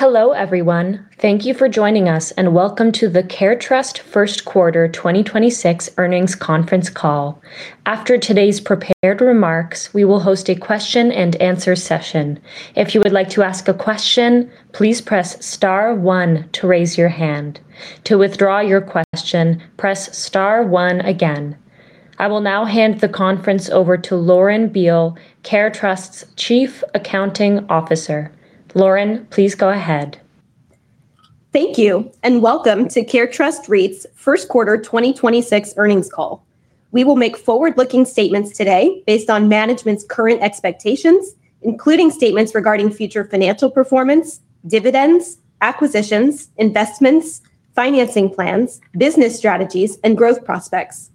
Hello, everyone. Thank you for joining us, and welcome to the CareTrust Q12026 earnings conference call. After today's prepared remarks, we will host a question and answer session. If you would like to ask a question, please press star 1 to raise your hand. To withdraw your question, press star 1 again. I will now hand the conference over to Lauren Beale, CareTrust's Chief Accounting Officer. Lauren, please go ahead. Thank you. Welcome to CareTrust REIT's Q1 2026 earnings call. We will make forward-looking statements today based on management's current expectations, including statements regarding future financial performance, dividends, acquisitions, investments, financing plans, business strategies, and growth prospects.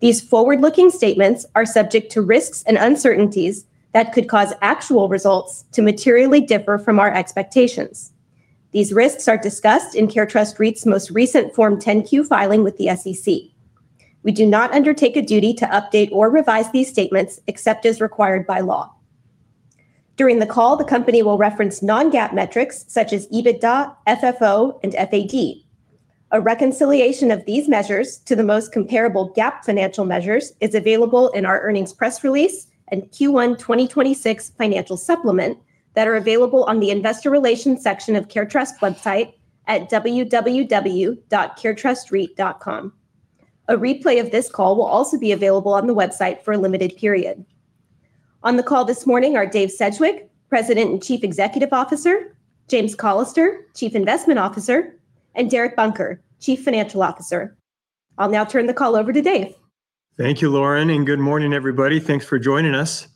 These forward-looking statements are subject to risks and uncertainties that could cause actual results to materially differ from our expectations. These risks are discussed in CareTrust REIT's most recent Form 10-Q filing with the SEC. We do not undertake a duty to update or revise these statements except as required by law. During the call, the company will reference non-GAAP metrics such as EBITDA, FFO, and FAD. A reconciliation of these measures to the most comparable GAAP financial measures is available in our earnings press release and Q1 2026 financial supplement that are available on the investor relations section of CareTrust website at www.caretrustreit.com. A replay of this call will also be available on the website for a limited period. On the call this morning are Dave Sedgwick, President and Chief Executive Officer, James Callister, Chief Investment Officer, and Derek Bunker, Chief Financial Officer. I'll now turn the call over to Dave. Thank you, Lauren. Good morning, everybody. Thanks for joining us.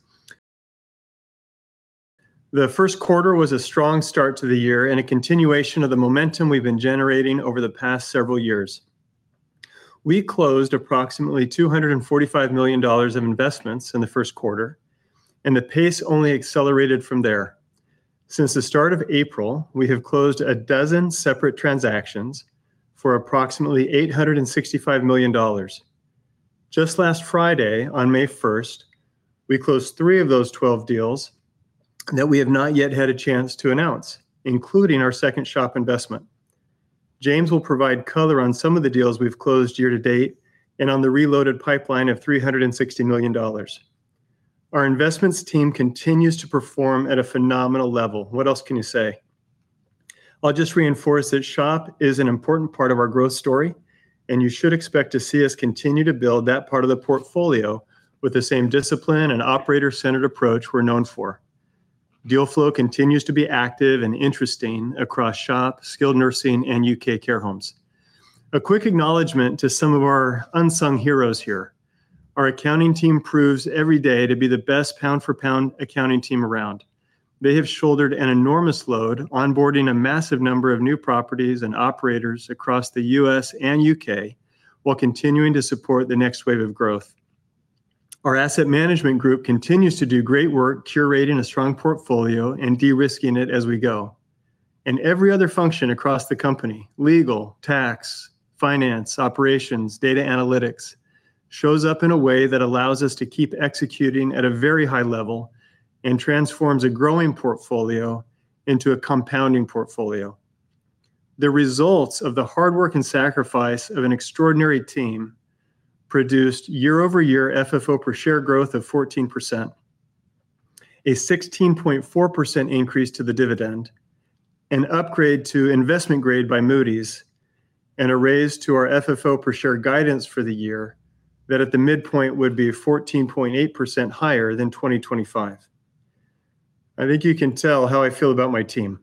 The Q1 was a strong start to the year and a continuation of the momentum we've been generating over the past several years. We closed approximately $245 million of investments in the Q1. The pace only accelerated from there. Since the start of April, we have closed 12 separate transactions for approximately $865 million. Just last Friday, on May 1st, we closed 3 of those 12 deals that we have not yet had a chance to announce, including our second SHOP investment. James will provide color on some of the deals we've closed year to date and on the reloaded pipeline of $360 million. Our investments team continues to perform at a phenomenal level. What else can you say? I'll just reinforce that SHOP is an important part of our growth story, and you should expect to see us continue to build that part of the portfolio with the same discipline and operator-centered approach we're known for. Deal flow continues to be active and interesting across SHOP, skilled nursing, and U.K. care homes. A quick acknowledgement to some of our unsung heroes here. Our accounting team proves every day to be the best pound-for-pound accounting team around. They have shouldered an enormous load, onboarding a massive number of new properties and operators across the U.S. and U.K. while continuing to support the next wave of growth. Our asset management group continues to do great work curating a strong portfolio and de-risking it as we go. Every other function across the company, legal, tax, finance, operations, data analytics, shows up in a way that allows us to keep executing at a very high level and transforms a growing portfolio into a compounding portfolio. The results of the hard work and sacrifice of an extraordinary team produced year-over-year FFO per share growth of 14%, a 16.4% increase to the dividend, an upgrade to investment grade by Moody's, and a raise to our FFO per share guidance for the year that at the midpoint would be 14.8% higher than 2025. I think you can tell how I feel about my team.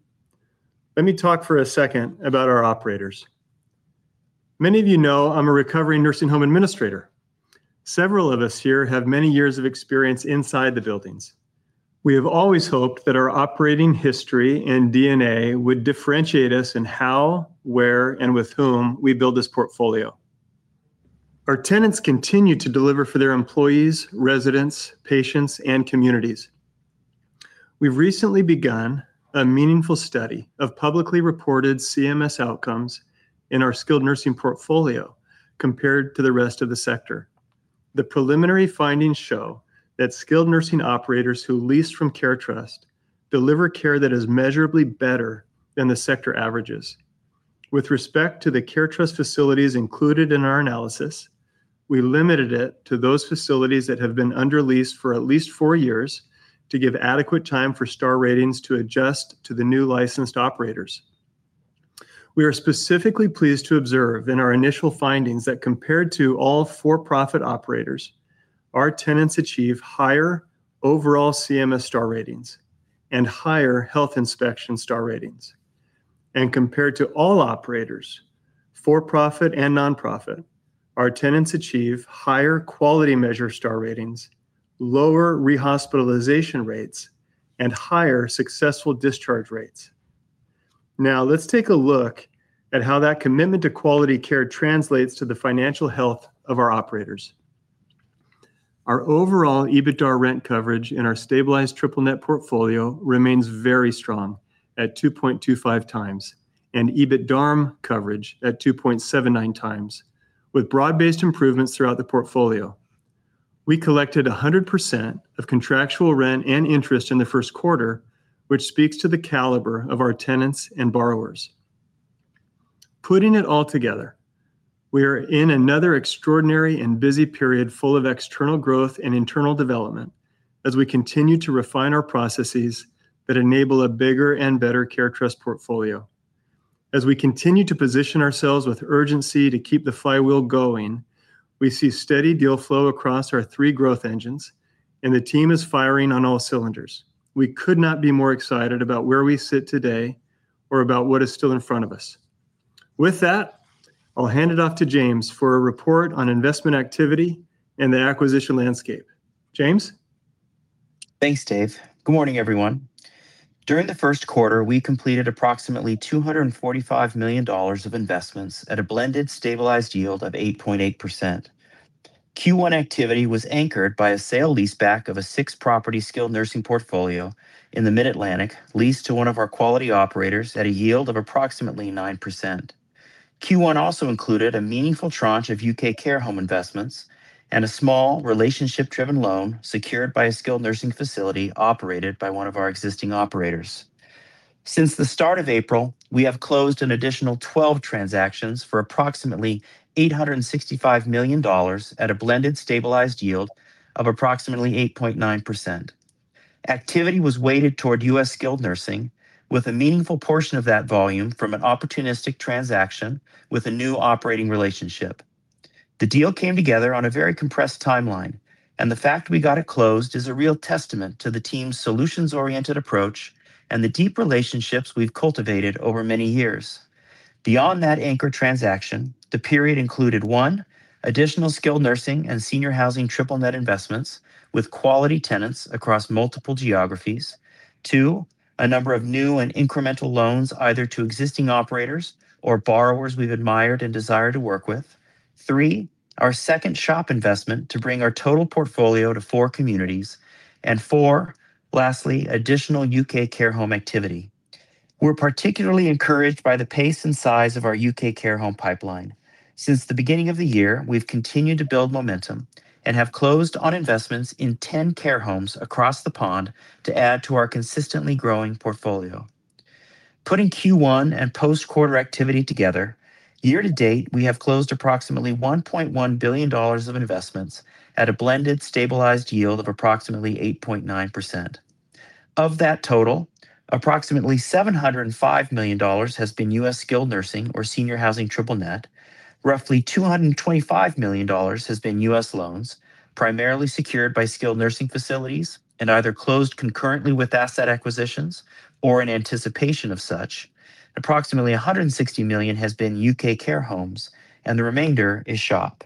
Let me talk for a second about our operators. Many of you know I'm a recovering nursing home administrator. Several of us here have many years of experience inside the buildings. We have always hoped that our operating history and DNA would differentiate us in how, where, and with whom we build this portfolio. Our tenants continue to deliver for their employees, residents, patients, and communities. We've recently begun a meaningful study of publicly reported CMS outcomes in our skilled nursing portfolio compared to the rest of the sector. The preliminary findings show that skilled nursing operators who lease from CareTrust deliver care that is measurably better than the sector averages. With respect to the CareTrust facilities included in our analysis, we limited it to those facilities that have been under lease for at least 4 years to give adequate time for star ratings to adjust to the new licensed operators. We are specifically pleased to observe in our initial findings that compared to all for-profit operators, our tenants achieve higher overall CMS star ratings and higher health inspection star ratings. Compared to all operators, for-profit and nonprofit, our tenants achieve higher quality measure star ratings, lower rehospitalization rates, and higher successful discharge rates. Now let's take a look at how that commitment to quality care translates to the financial health of our operators. Our overall EBITDAR rent coverage in our stabilized triple-net portfolio remains very strong at 2.25x and EBITDARM coverage at 2.79x, with broad-based improvements throughout the portfolio. We collected 100% of contractual rent and interest in the Q1, which speaks to the caliber of our tenants and borrowers. Putting it all together, we are in another extraordinary and busy period full of external growth and internal development as we continue to refine our processes that enable a bigger and better CareTrust portfolio. As we continue to position ourselves with urgency to keep the flywheel going, we see steady deal flow across our 3 growth engines, and the team is firing on all cylinders. We could not be more excited about where we sit today or about what is still in front of us. With that, I'll hand it off to James for a report on investment activity and the acquisition landscape. James? Thanks, Dave. Good morning, everyone. During the Q1, we completed approximately $245 million of investments at a blended stabilized yield of 8.8%. Q1 activity was anchored by a sale-leaseback of a six-property skilled nursing portfolio in the Mid-Atlantic, leased to one of our quality operators at a yield of approximately 9%. Q1 also included a meaningful tranche of U.K. care home investments and a small relationship-driven loan secured by a skilled nursing facility operated by one of our existing operators. Since the start of April, we have closed an additional 12 transactions for approximately $865 million at a blended stabilized yield of approximately 8.9%. Activity was weighted toward U.S. skilled nursing with a meaningful portion of that volume from an opportunistic transaction with a new operating relationship. The deal came together on a very compressed timeline, and the fact we got it closed is a real testament to the team's solutions-oriented approach and the deep relationships we've cultivated over many years. Beyond that anchor transaction, the period included, 1, additional skilled nursing and senior housing triple net investments with quality tenants across multiple geographies. two, a number of new and incremental loans either to existing operators or borrowers we've admired and desire to work with. Three, our second SHOP investment to bring our total portfolio to four communities. four, lastly, additional U.K. care home activity. We're particularly encouraged by the pace and size of our U.K. care home pipeline. Since the beginning of the year, we've continued to build momentum and have closed on investments in 10 care homes across the pond to add to our consistently growing portfolio. Putting Q1 and post-quarter activity together, year to date, we have closed approximately $1.1 billion of investments at a blended stabilized yield of approximately 8.9%. Of that total, approximately $705 million has been U.S. skilled nursing or senior housing triple net. Roughly $225 million has been U.S. loans, primarily secured by skilled nursing facilities and either closed concurrently with asset acquisitions or in anticipation of such. Approximately $160 million has been U.K. care homes, and the remainder is SHOP.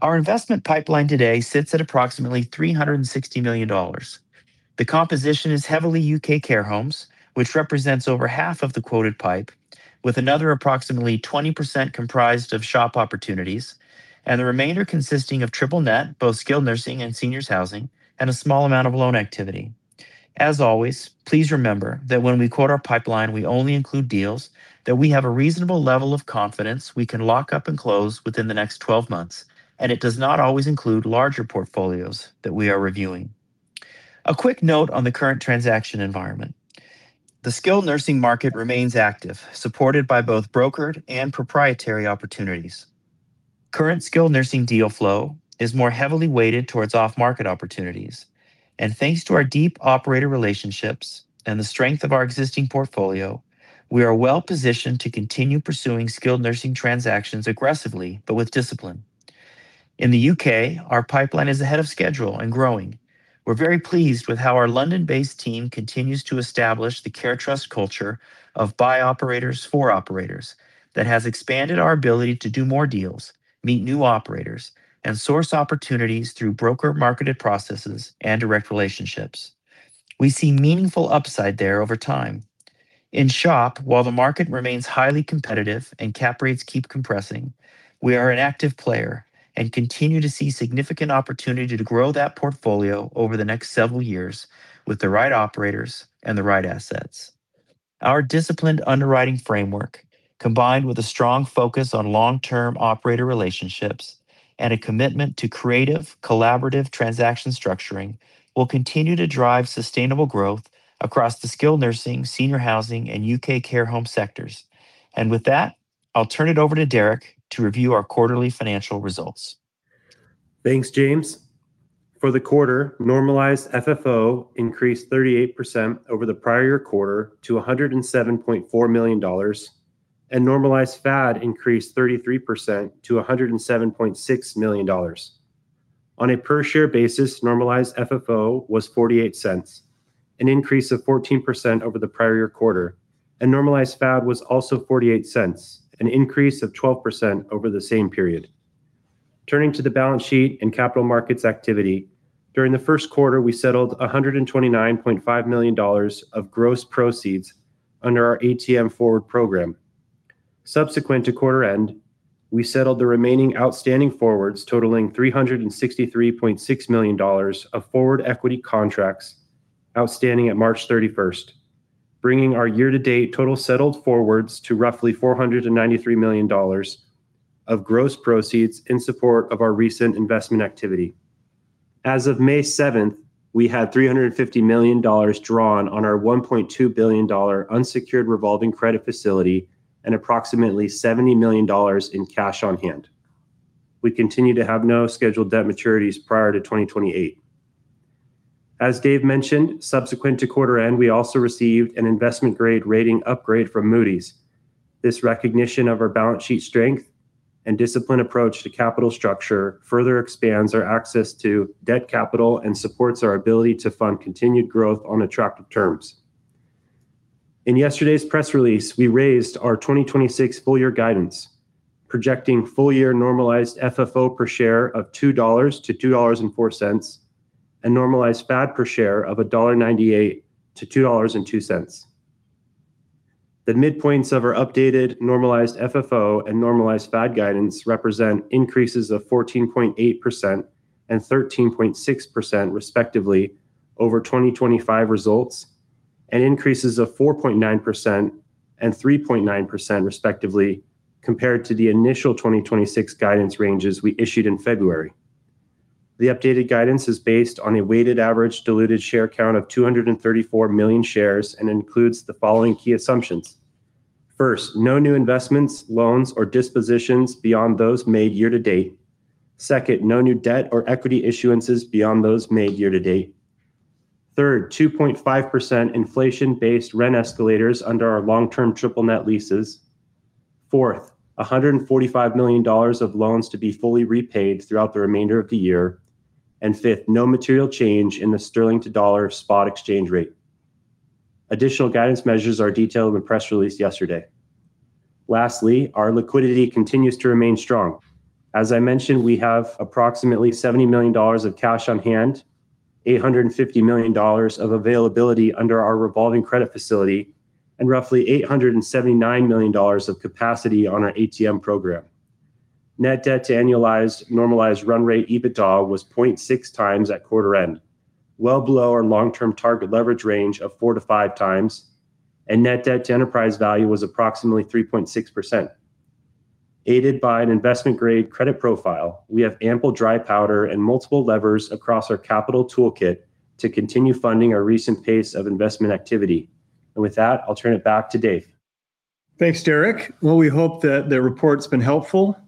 Our investment pipeline today sits at approximately $360 million. The composition is heavily U.K. care homes, which represents over half of the quoted pipe, with another approximately 20% comprised of SHOP opportunities, and the remainder consisting of triple net, both skilled nursing and seniors housing, and a small amount of loan activity. As always, please remember that when we quote our pipeline, we only include deals that we have a reasonable level of confidence we can lock up and close within the next 12 months, and it does not always include larger portfolios that we are reviewing. A quick note on the current transaction environment. The skilled nursing market remains active, supported by both brokered and proprietary opportunities. Current skilled nursing deal flow is more heavily weighted towards off-market opportunities. Thanks to our deep operator relationships and the strength of our existing portfolio, we are well-positioned to continue pursuing skilled nursing transactions aggressively but with discipline. In the U.K., our pipeline is ahead of schedule and growing. We're very pleased with how our London-based team continues to establish the CareTrust culture of by operators, for operators that has expanded our ability to do more deals, meet new operators, and source opportunities through broker-marketed processes and direct relationships. We see meaningful upside there over time. In SHOP, while the market remains highly competitive and cap rates keep compressing, we are an active player and continue to see significant opportunity to grow that portfolio over the next several years with the right operators and the right assets. Our disciplined underwriting framework, combined with a strong focus on long-term operator relationships and a commitment to creative, collaborative transaction structuring, will continue to drive sustainable growth across the skilled nursing, senior housing, and U.K. care home sectors. With that, I'll turn it over to Derek to review our quarterly financial results. Thanks, James. For the quarter, normalized FFO increased 38% over the prior year quarter to $107.4 million, and normalized FAD increased 33% to $107.6 million. On a per-share basis, normalized FFO was $0.48, an increase of 14% over the prior year quarter, and normalized FAD was also $0.48, an increase of 12% over the same period. Turning to the balance sheet and capital markets activity, during the Q1, we settled $129.5 million of gross proceeds under our ATM forward program. Subsequent to quarter end, we settled the remaining outstanding forwards, totaling $363.6 million of forward equity contracts outstanding at March 31st. Bringing our year-to-date total settled forwards to roughly $493 million of gross proceeds in support of our recent investment activity. As of May seventh, we had $350 million drawn on our $1.2 billion unsecured revolving credit facility and approximately $70 million in cash on hand. We continue to have no scheduled debt maturities prior to 2028. As Dave mentioned, subsequent to quarter end, we also received an investment grade rating upgrade from Moody's. This recognition of our balance sheet strength and disciplined approach to capital structure further expands our access to debt capital and supports our ability to fund continued growth on attractive terms. In yesterday's press release, we raised our 2026 full year guidance, projecting full year normalized FFO per share of $2.00-$2.04, and normalized FAD per share of $1.98-$2.02. The midpoints of our updated normalized FFO and normalized FAD guidance represent increases of 14.8% and 13.6% respectively over 2025 results, and increases of 4.9% and 3.9% respectively compared to the initial 2026 guidance ranges we issued in February. The updated guidance is based on a weighted average diluted share count of 234 million shares and includes the following key assumptions. First, no new investments, loans, or dispositions beyond those made year-to-date. Second, no new debt or equity issuances beyond those made year-to-date. Third, 2.5% inflation-based rent escalators under our long-term triple net leases. Fourth, $145 million of loans to be fully repaid throughout the remainder of the year. Fifth, no material change in the sterling to dollar spot exchange rate. Additional guidance measures are detailed in the press release yesterday. Lastly, our liquidity continues to remain strong. As I mentioned, we have approximately $70 million of cash on hand, $850 million of availability under our revolving credit facility, and roughly $879 million of capacity on our ATM program. Net debt to annualized normalized run rate EBITDA was 0.6x at quarter end, well below our long-term target leverage range of 4 to 5x, and net debt to enterprise value was approximately 3.6%. Aided by an investment grade credit profile, we have ample dry powder and multiple levers across our capital toolkit to continue funding our recent pace of investment activity. With that, I'll turn it back to Dave. Thanks, Derek. Well, we hope that the report's been helpful.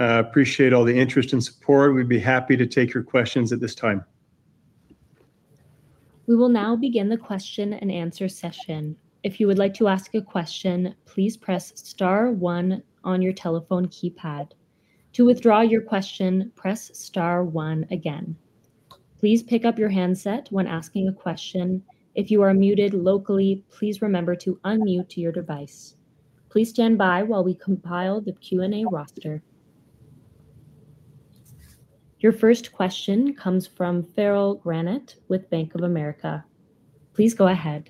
We appreciate all the interest and support. We'd be happy to take your questions at this time. Your first question comes from Farrell Granath with Bank of America. Please go ahead.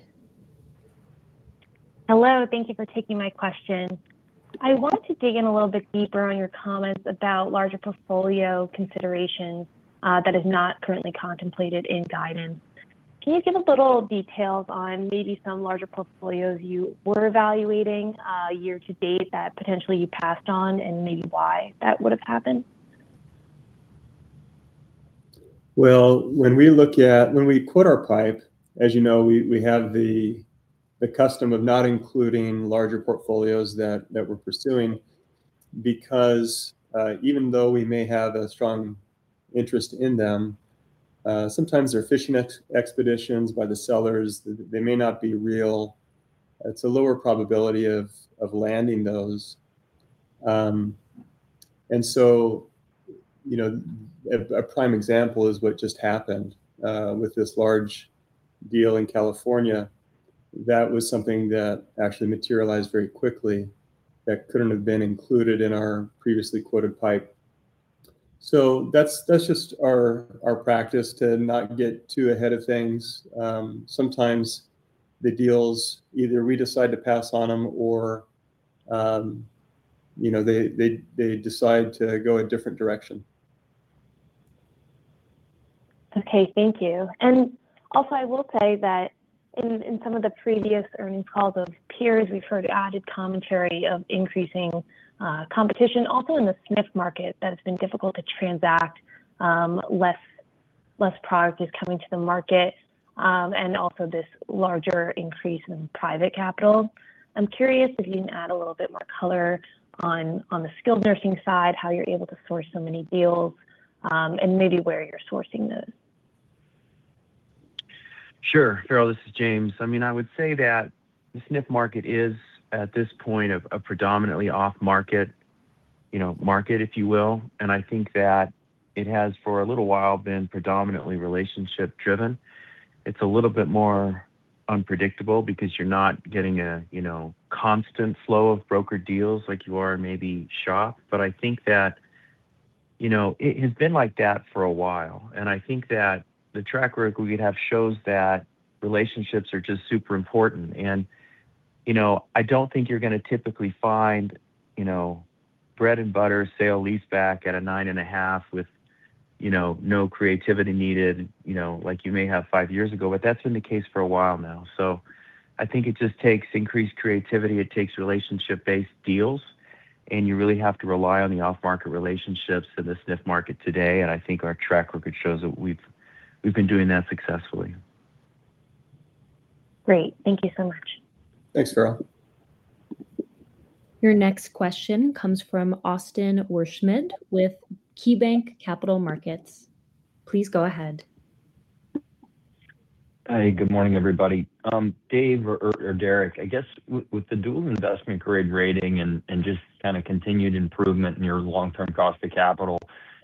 Hello. Thank you for taking my question. I wanted to dig in a little bit deeper on your comments about larger portfolio considerations that is not currently contemplated in guidance. Can you give a little details on maybe some larger portfolios you were evaluating year to date that potentially you passed on and maybe why that would have happened? When we quote our pipe, as you know, we have the custom of not including larger portfolios that we're pursuing because even though we may have a strong interest in them, sometimes they're fishing expeditions by the sellers. They may not be real. It's a lower probability of landing those. You know, a prime example is what just happened with this large deal in California. That was something that actually materialized very quickly that couldn't have been included in our previously quoted pipe. That's just our practice to not get too ahead of things. Sometimes the deals, either we decide to pass on them or, you know, they decide to go a different direction. Okay. Thank you. I will say that in some of the previous earning calls of peers, we've heard added commentary of increasing competition also in the SNF market that it's been difficult to transact, less product is coming to the market, and also this larger increase in private capital. I'm curious if you can add a little bit more color on the skilled nursing side, how you're able to source so many deals, and maybe where you're sourcing those. Sure. Farrell, this is James. I mean, I would say that the SNF market is at this point of predominantly off market, you know, market, if you will. I think that it has for a little while been predominantly relationship driven. It's a little bit more unpredictable because you're not getting a, you know, constant flow of broker deals like you are in maybe SHOP. I think that, you know, it has been like that for a while. I think that the track record we have shows that relationships are just super important. You know, I don't think you're gonna typically find, you know, bread and butter sale lease back at a 9.5 with, you know, no creativity needed, you know, like you may have five years ago. That's been the case for a while now. I think it just takes increased creativity, it takes relationship based deals, and you really have to rely on the off market relationships in the SNF market today. I think our track record shows that we've been doing that successfully. Great. Thank you so much. Thanks, Farrell. Your next question comes from Austin Wurschmidt with KeyBanc Capital Markets. Please go ahead. Hi, good morning, everybody. Dave or Derek, I guess with the dual investment grade rating and just kind of continued improvement in your long term cost of capital,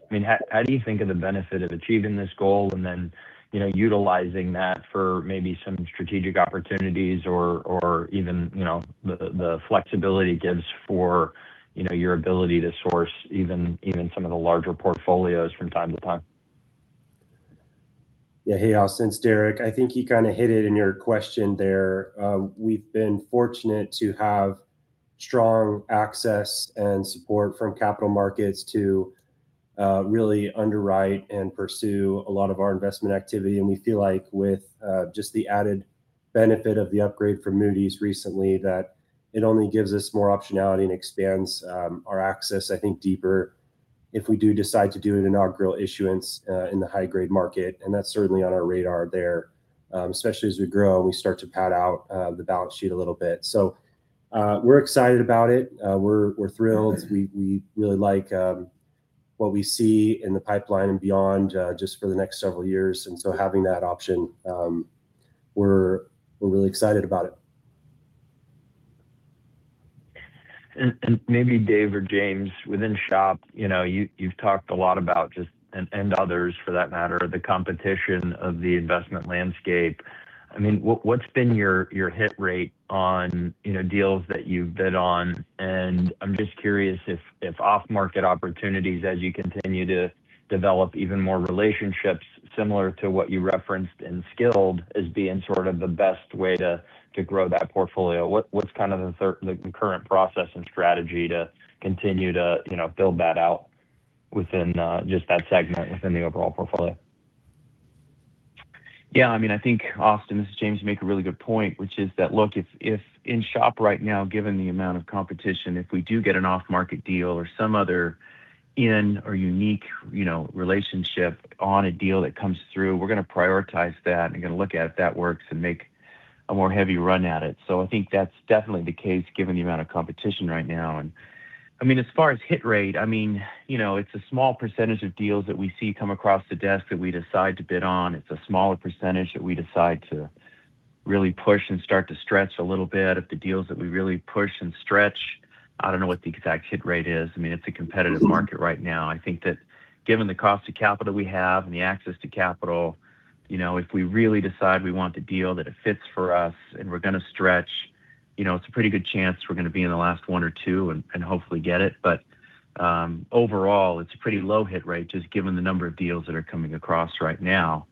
I mean, how do you think of the benefit of achieving this goal and then, you know, utilizing that for maybe some strategic opportunities or even, you know, the flexibility it gives for, you know, your ability to source even some of the larger portfolios from time to time? Yeah. Hey, Austin. It's Derek. I think you kind of hit it in your question there. We've been fortunate to have strong access and support from capital markets to really underwrite and pursue a lot of our investment activity. We feel like with just the added benefit of the upgrade from Moody's recently that it only gives us more optionality and expands our access, I think, deeper if we do decide to do an inaugural issuance in the high grade market, that's certainly on our radar there, especially as we grow and we start to pad out the balance sheet a little bit. We're excited about it. We're thrilled. We really like what we see in the pipeline and beyond just for the next several years. Having that option, we're really excited about it. Maybe Dave or James, within SHOP, you know, you've talked a lot about just and others for that matter, the competition of the investment landscape. I mean, what's been your hit rate on, you know, deals that you've bid on? I'm just curious if off market opportunities as you continue to develop even more relationships similar to what you referenced in skilled as being sort of the best way to grow that portfolio. What's kind of the current process and strategy to continue to, you know, build that out within just that segment within the overall portfolio? Yeah. I mean, I think, Austin, this is James, you make a really good point, which is that, look, if in SHOP right now, given the amount of competition, if we do get an off market deal or some other in or unique, you know, relationship on a deal that comes through, we're gonna prioritize that and gonna look at if that works and make a more heavy run at it. I think that's definitely the case given the amount of competition right now. I mean, as far as hit rate, I mean, you know, it's a small percentage of deals that we see come across the desk that we decide to bid on. It's a smaller percentage that we decide to really push and start to stretch a little bit. Of the deals that we really push and stretch, I don't know what the exact hit rate is. I mean, it's a competitive market right now. I think that given the cost of capital we have and the access to capital, you know, if we really decide we want the deal, that it fits for us, and we're gonna stretch, you know, it's a pretty good chance we're gonna be in the last one or two and hopefully get it. Overall, it's a pretty low hit rate just given the number of deals that are coming across right now.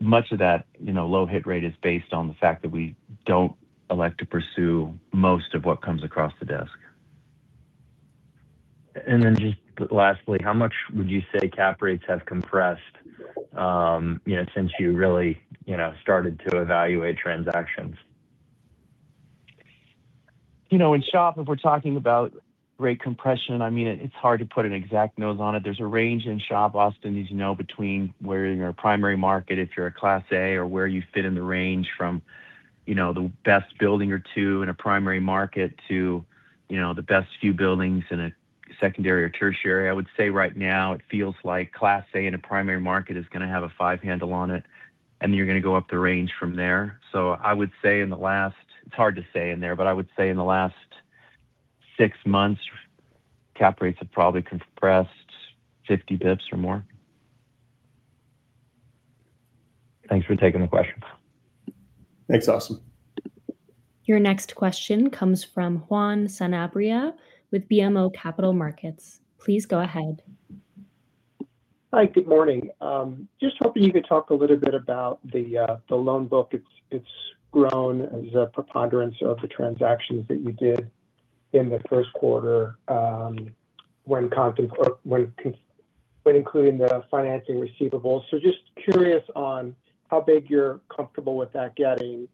Much of that, you know, low hit rate is based on the fact that we don't elect to pursue most of what comes across the desk. Just lastly, how much would you say cap rates have compressed, you know, since you really, you know, started to evaluate transactions? You know, in SHOP, if we're talking about rate compression, I mean, it's hard to put an exact nose on it. There's a range in SHOP, Austin, as you know, between where you're in a primary market if you're a Class A or where you fit in the range from, you know, the best building or 2 in a primary market to, you know, the best few buildings in a secondary or tertiary. I would say right now it feels like Class A in a primary market is gonna have a 5 handle on it, and you're gonna go up the range from there. It's hard to say in there, but I would say in the last 6 months, cap rates have probably compressed 50 pips or more. Thanks for taking the question. Thanks, Austin. Your next question comes from Juan Sanabria with BMO Capital Markets. Please go ahead. Hi. Good morning. Just hoping you could talk a little bit about the loan book. It's grown as a preponderance of the transactions that you did in the Q1, when including the financing receivables. Just curious on how big you're comfortable with that getting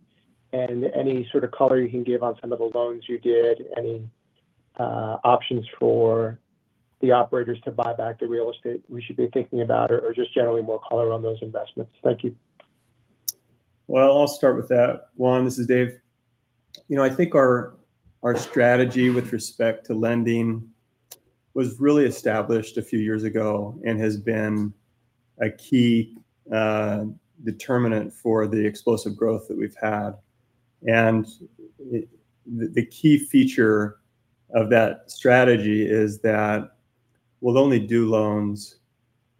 and any sort of color you can give on some of the loans you did. Any options for the operators to buy back the real estate we should be thinking about, or just generally more color on those investments. Thank you. Well, I'll start with that, Juan. This is Dave. You know, I think our strategy with respect to lending was really established a few years ago and has been a key determinant for the explosive growth that we've had. The key feature of that strategy is that we'll only do loans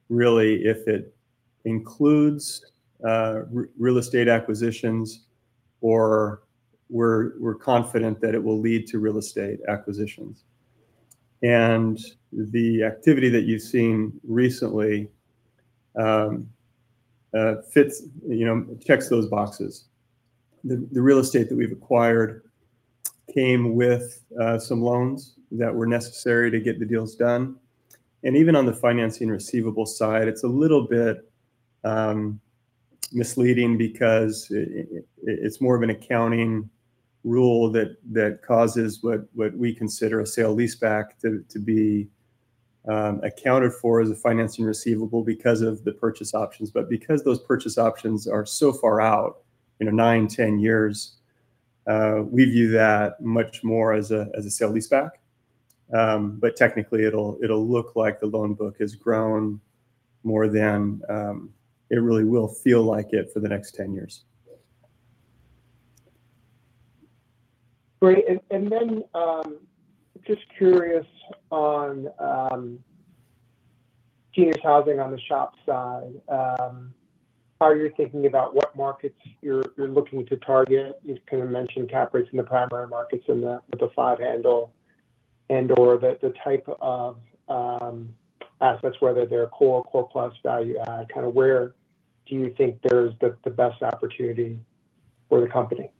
really if it includes real estate acquisitions or we're confident that it will lead to real estate acquisitions. The activity that you've seen recently, you know, checks those boxes. The real estate that we've acquired came with some loans that were necessary to get the deals done. Even on the financing receivable side, it's a little bit misleading because it's more of an accounting rule that causes what we consider a sale leaseback to be accounted for as a financing receivable because of the purchase options. Because those purchase options are so far out, you know, nine, ten years, we view that much more as a sale leaseback. Technically it'll look like the loan book has grown more than it really will feel like it for the next ten years. Great. Just curious on seniors housing on the SHOP side, how are you thinking about what markets you're looking to target? You kind of mentioned cap rates in the primary markets and with the 5 handle and/or the type of assets, whether they're core plus value add, kind of where do you think there's the best opportunity for the company?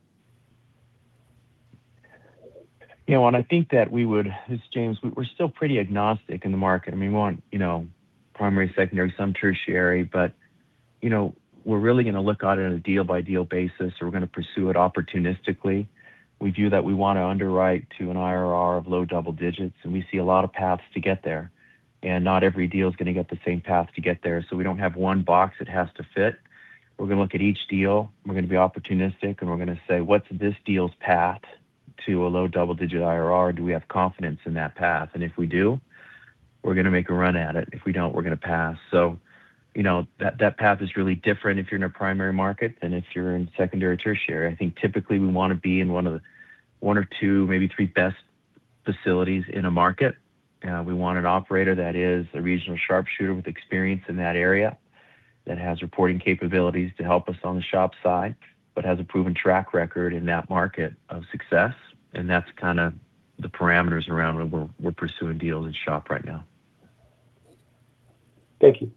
I think that we would This is James. We're still pretty agnostic in the market. I mean, we want, you know, primary, secondary, some tertiary, we're really gonna look at it on a deal-by-deal basis, we're gonna pursue it opportunistically. We view that we want to underwrite to an IRR of low double digits, we see a lot of paths to get there, not every deal is gonna get the same path to get there. We don't have 1 box it has to fit. We're gonna look at each deal. We're gonna be opportunistic, we're gonna say, "What's this deal's path to a low double digit IRR? Do we have confidence in that path? If we do, we're gonna make a run at it. If we don't, we're gonna pass. You know, that path is really different if you're in a primary market than if you're in secondary or tertiary. I think typically we want to be in one of the one or two, maybe 3 best facilities in a market. We want an operator that is a regional sharpshooter with experience in that area, that has reporting capabilities to help us on the SHOP side, but has a proven track record in that market of success. That's kind of the parameters around where we're pursuing deals in SHOP right now. Thank you.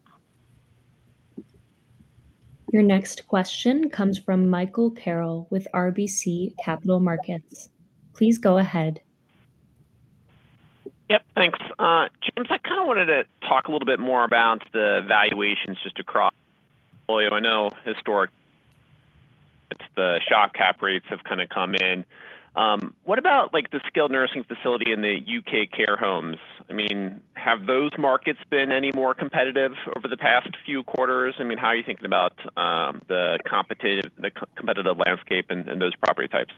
Your next question comes from Michael Carroll with RBC Capital Markets. Please go ahead. Yep. Thanks. James, I kind of wanted to talk a little bit more about the valuations just across the portfolio. I know historic, it's the SHOP cap rates have kind of come in. What about the skilled nursing facility in the .U.K. Care homes? I mean, have those markets been any more competitive over the past few quarters? I mean, how are you thinking about the competitive, the competitive landscape and those property types?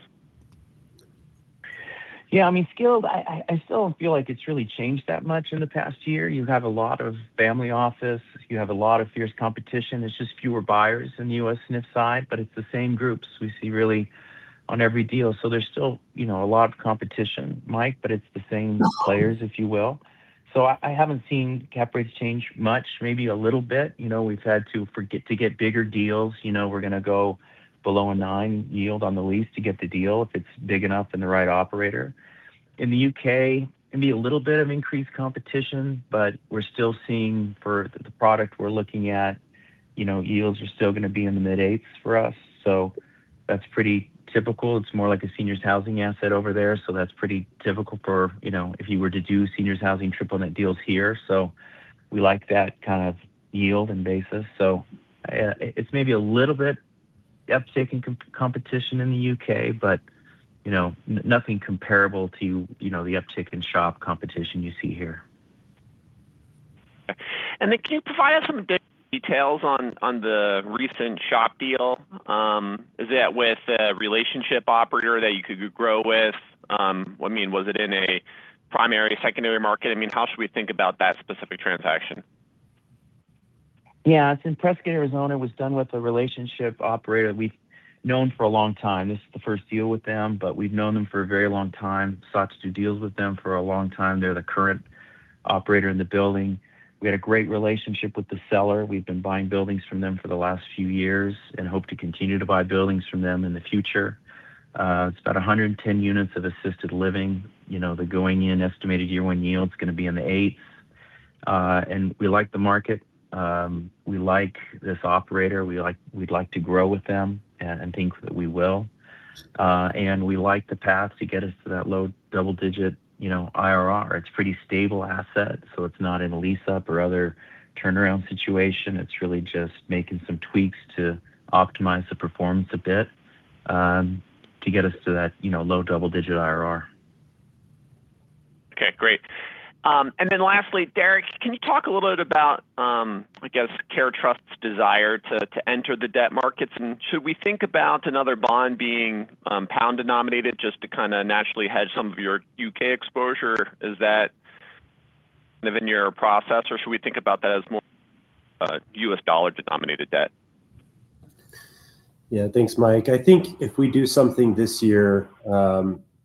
Thanks, Michael. I think if we do something this year,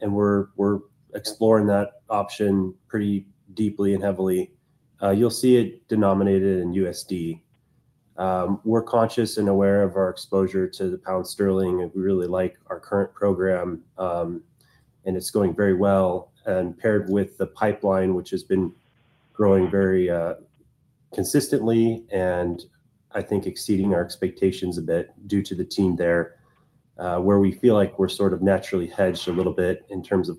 and we're exploring that option pretty deeply and heavily, you'll see it denominated in USD. We're conscious and aware of our exposure to the pound sterling, we really like our current program. It's going very well. Paired with the pipeline, which has been growing very consistently, and I think exceeding our expectations a bit due to the team there, where we feel like we're sort of naturally hedged a little bit in terms of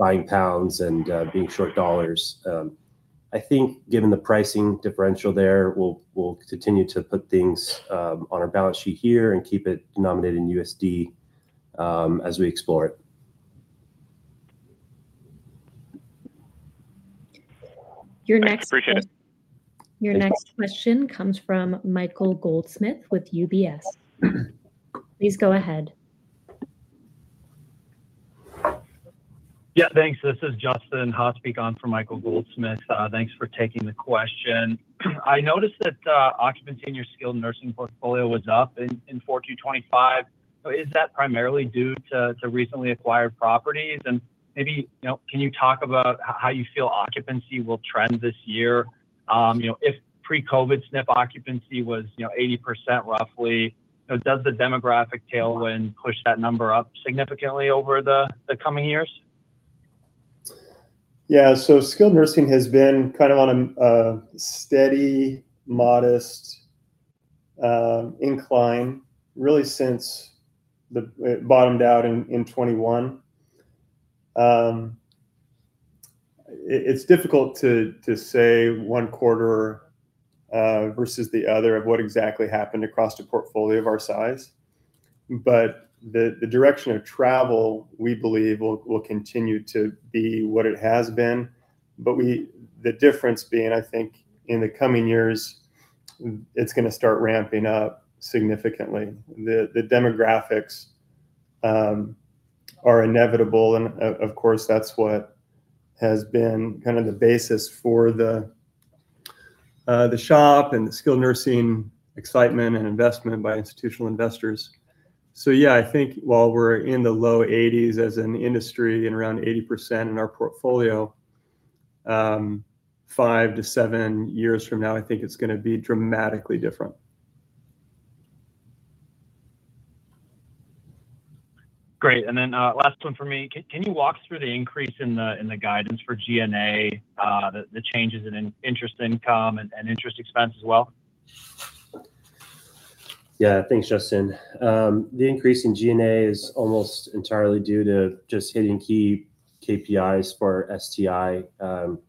buying pounds and being short dollars. I think given the pricing differential there, we'll continue to put things on our balance sheet here and keep it denominated in USD as we explore it. Your next, Appreciate it. Your next question comes from Michael Goldsmith with UBS. Please go ahead. Yeah. Thanks. This is Justin Haas speaking for Michael Goldsmith. Thanks for taking the question. I noticed that occupancy in your skilled nursing portfolio was up in 4Q 2025. Is that primarily due to recently acquired properties? Maybe, you know, can you talk about how you feel occupancy will trend this year? You know, if pre-COVID SNF occupancy was, you know, 80% roughly, you know, does the demographic tailwind push that number up significantly over the coming years? Yeah. skilled nursing has been kind of on a steady, modest, incline really since the It bottomed out in 2021. It's difficult to say Q1 versus the other of what exactly happened across the portfolio of our size, but the direction of travel, we believe, will continue to be what it has been. The difference being, I think, in the coming years, it's gonna start ramping up significantly. The demographics are inevitable and of course, that's what has been kind of the basis for the SHOP and the skilled nursing excitement and investment by institutional investors. Yeah, I think while we're in the low 80s as an industry and around 80% in our portfolio, 5-7 years from now, I think it's gonna be dramatically different. Great. Last one from me. Can you walk through the increase in the guidance for G&A, the changes in interest income and interest expense as well? Yeah. Thanks, Justin. The increase in G&A is almost entirely due to just hitting key KPIs for STI,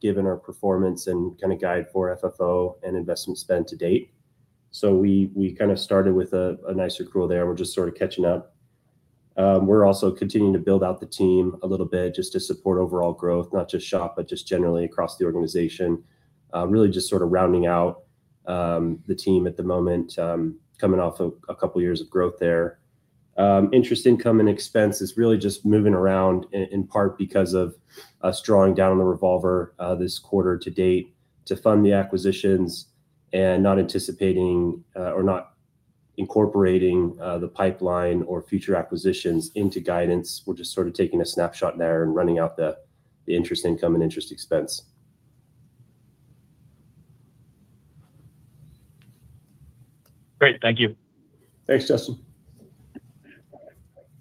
given our performance and kind of guide for FFO and investment spend to date. We kind of started with a nice accrual there. We're just sort of catching up. We're also continuing to build out the team a little bit just to support overall growth, not just SHOP, but just generally across the organization. Really just sort of rounding out the team at the moment, coming off a couple years of growth there. Interest income and expense is really just moving around in part because of us drawing down the revolver, this quarter to date to fund the acquisitions and not anticipating or not incorporating the pipeline or future acquisitions into guidance. We're just sort of taking a snapshot there and running out the interest income and interest expense. Great. Thank you. Thanks, Justin.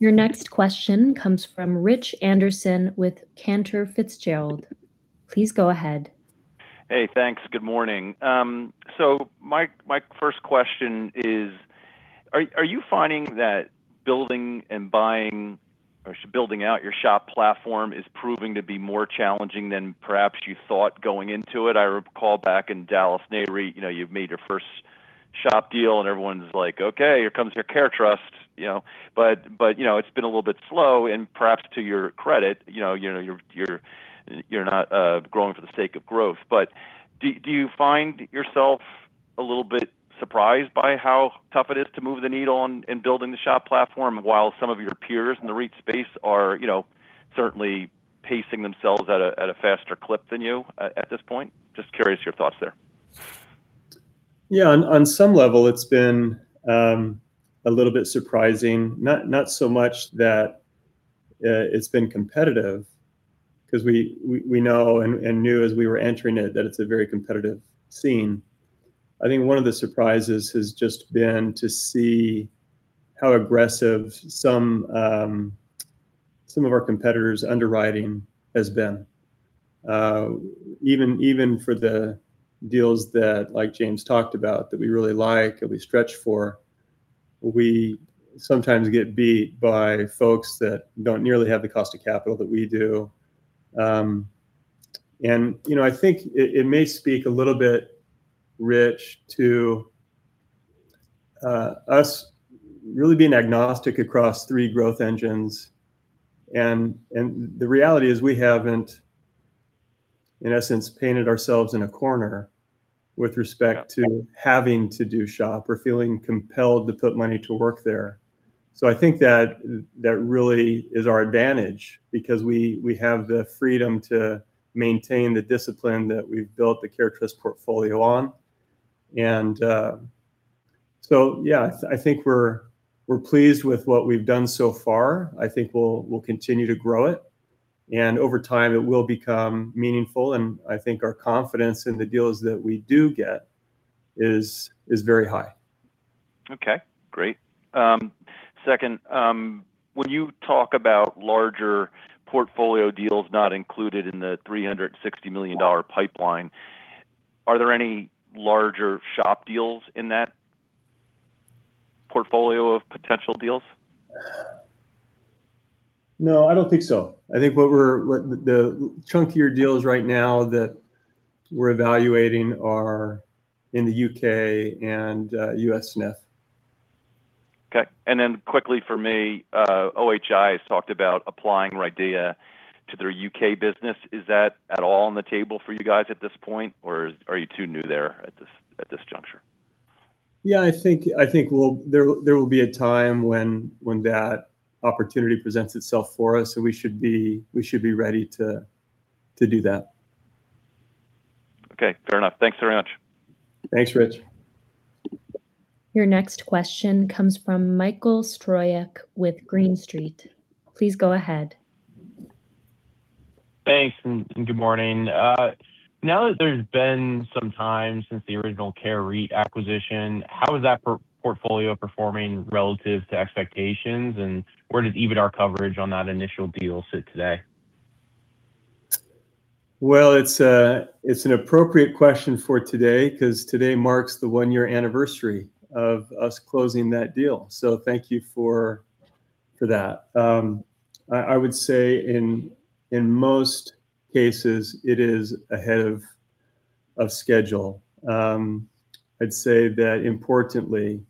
Your next question comes from Richard Anderson with Cantor Fitzgerald. Please go ahead. Hey, thanks. Good morning. My first question is are you finding that building and buying or building out your SHOP platform is proving to be more challenging than perhaps you thought going into it? I recall back in Dallas, Nareit, you know, you've made your first SHOP deal, and everyone's like, "Okay, here comes your CareTrust." You know? You know, it's been a little bit slow. Perhaps to your credit, you know, you're not growing for the sake of growth. Do you find yourself a little bit surprised by how tough it is to move the needle on in building the SHOP platform, while some of your peers in the REIT space are, you know, certainly pacing themselves at a faster clip than you at this point? Just curious your thoughts there. Yeah. On some level it's been a little bit surprising. Not so much that, it's been competitive, 'cause we know and knew as we were entering it that it's a very competitive scene. I think one of the surprises has just been to see how aggressive some of our competitors' underwriting has been. Even for the deals that, like James talked about, that we really like, that we stretch for, we sometimes get beat by folks that don't nearly have the cost of capital that we do. You know, I think it may speak a little bit, Rich, to us really being agnostic across three growth engines. The reality is we haven't, in essence, painted ourselves in a corner with respect- to having to do SHOP or feeling compelled to put money to work there. I think that that really is our advantage because we have the freedom to maintain the discipline that we've built the CareTrust portfolio on. I think we're pleased with what we've done so far. I think we'll continue to grow it. Over time, it will become meaningful, and I think our confidence in the deals that we do get is very high. Okay. Great. second, when you talk about larger portfolio deals not included in the $360 million pipeline, are there any larger SHOP deals in that portfolio of potential deals? No, I don't think so. I think what the chunkier deals right now that we're evaluating are in the U.K. and U.S. SNF. Okay. Quickly from me, OHI has talked about applying RIDEA to their U.K. business. Is that at all on the table for you guys at this point, or are you too new there at this juncture? Yeah, I think we'll, there will be a time when that opportunity presents itself for us, so we should be ready to do that. Okay. Fair enough. Thanks very much. Thanks, Rich. Your next question comes from Michael Stroyeck with Green Street. Please go ahead. Thanks, and good morning. Now that there's been some time since the original Care REIT acquisition, how is that portfolio performing relative to expectations, and where does EBITDA coverage on that initial deal sit today? Well, it's a, it's an appropriate question for today, 'cause today marks the one-year anniversary of us closing that deal, so thank you for that. I would say in most cases, it is ahead of schedule. I'd say that importantly,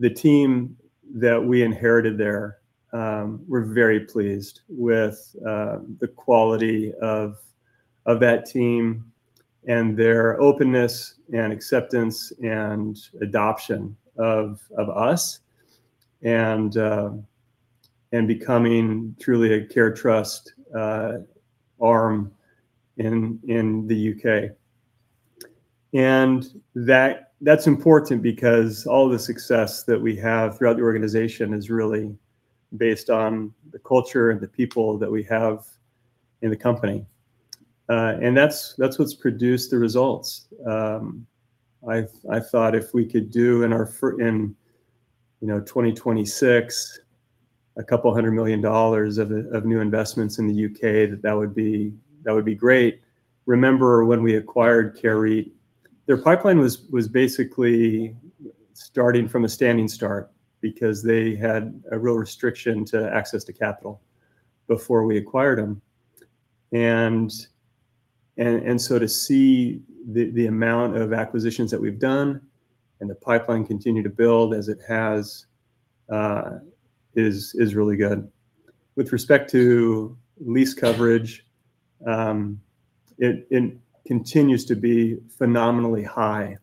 the team that we inherited there, we're very pleased with the quality of that team and their openness and acceptance and adoption of us and becoming truly a CareTrust arm in the U.K. That's important because all the success that we have throughout the organization is really based on the culture and the people that we have in the company. That's, that's what's produced the results. I thought if we could do in, you know, 2026 $200 million of new investments in the U.K., that would be great. Remember when we acquired Care REIT, their pipeline was basically starting from a standing start because they had a real restriction to access to capital before we acquired them. To see the amount of acquisitions that we've done and the pipeline continue to build as it has, is really good. With respect to lease coverage, it continues to be phenomenally high,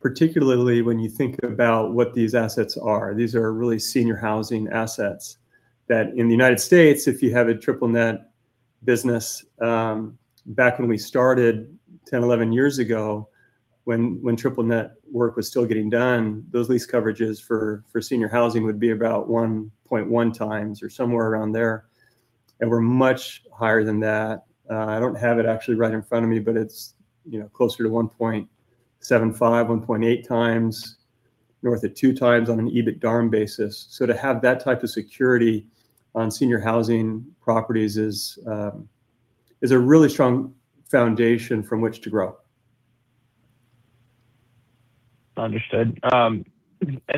particularly when you think about what these assets are. These are really senior housing assets that in the U.S., if you have a triple net business, back when we started 10, 11 years ago, when triple net work was still getting done, those lease coverages for senior housing would be about 1.1x or somewhere around there. We're much higher than that. I don't have it actually right in front of me, it's, you know, closer to 1.75, 1.8x, north of 2x on an EBITDARM basis. To have that type of security on senior housing properties is a really strong foundation from which to grow. Understood.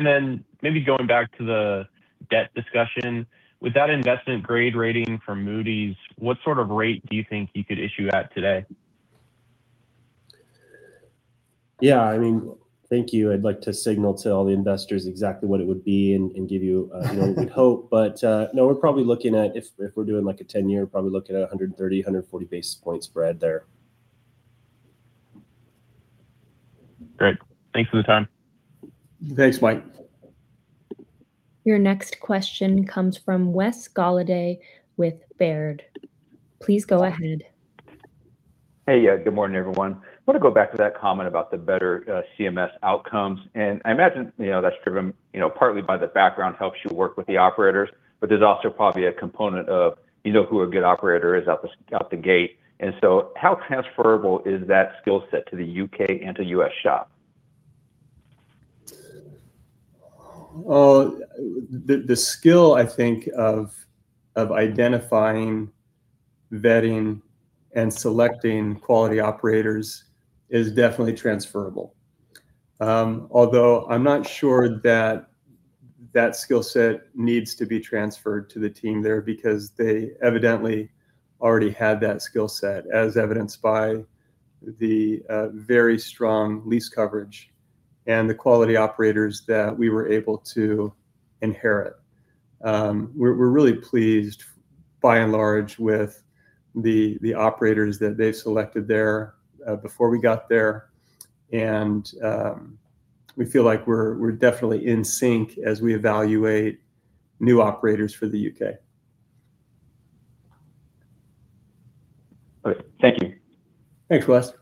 Then maybe going back to the debt discussion, with that investment grade rating from Moody's, what sort of rate do you think you could issue at today? Yeah, I mean, thank you. I'd like to signal to all the investors exactly what it would be and give you a, you know, big hope. No, we're probably looking at, if we're doing like a 10-year, probably looking at 130, 140 basis point spread there. Great. Thanks for the time. Thanks, Michael. Your next question comes from Wes Golladay with Baird. Please go ahead. Hey, yeah, good morning everyone. I wanna go back to that comment about the better CMS outcomes, and I imagine, you know, that's driven, you know, partly by the background, helps you work with the operators, but there's also probably a component of, you know who a good operator is out the gate. How transferable is that skill set to the U.K. and to U.S. SHOP? Well, the skill I think of identifying, vetting, and selecting quality operators is definitely transferable. Although I'm not sure that that skill set needs to be transferred to the team there because they evidently already had that skill set, as evidenced by the very strong lease coverage and the quality operators that we were able to inherit. We're really pleased by and large with the operators that they've selected there before we got there, and we feel like we're definitely in sync as we evaluate new operators for the U.K. Okay. Thank you. Thanks, Wes.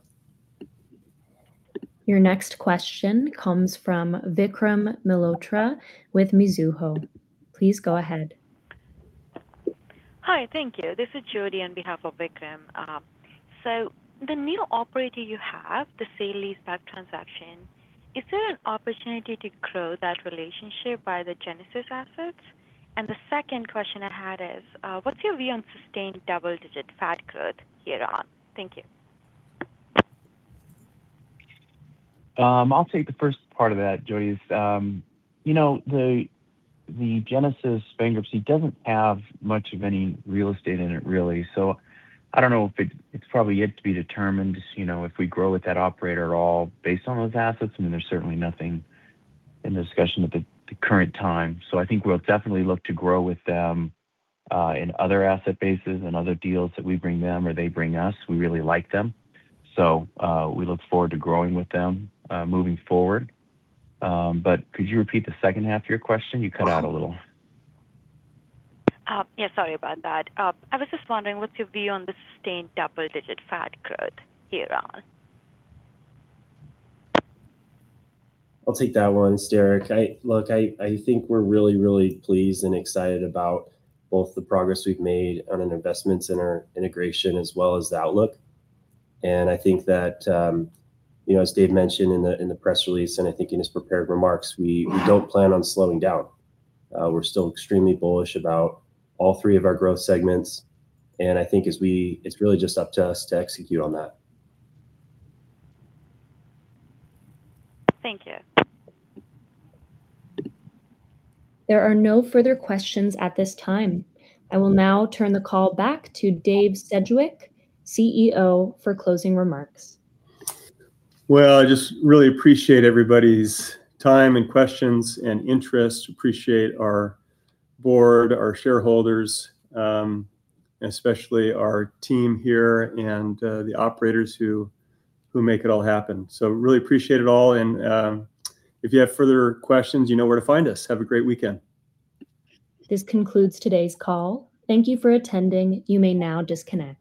Your next question comes from Vikram Malhotra with Mizuho. Please go ahead. Hi, thank you. This is Jodi on behalf of Vikram. The new operator you have, the sale-leaseback transaction, is there an opportunity to grow that relationship by the Genesis assets? The second question I had is, what's your view on sustained double-digit FAD growth here on? Thank you. I'll take the first part of that, Jodi. You know, the Genesis bankruptcy doesn't have much of any real estate in it really. I don't know if it's probably yet to be determined, you know, if we grow with that operator at all based on those assets. I mean, there's certainly nothing in the discussion at the current time. I think we'll definitely look to grow with them in other asset bases and other deals that we bring them or they bring us. We really like them, so we look forward to growing with them moving forward. Could you repeat the second half of your question? You cut out a little. I was just wondering what's your view on the sustained double-digit FAD growth here on? I'll take that one, it's Derek. I think we're really pleased and excited about both the progress we've made on an investment center integration as well as the outlook. I think that, you know, as Dave mentioned in the press release and I think in his prepared remarks, we don't plan on slowing down. We're still extremely bullish about all three of our growth segments, and I think it's really just up to us to execute on that. Thank you. There are no further questions at this time. I will now turn the call back to Dave Sedgwick, CEO, for closing remarks. Well, I just really appreciate everybody's time and questions and interest. Appreciate our board, our shareholders, especially our team here and the operators who make it all happen. Really appreciate it all and, if you have further questions, you know where to find us. Have a great weekend. This concludes today's call. Thank you for attending. You may now disconnect.